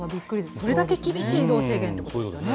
それだけ厳しい移動制限ということですよね。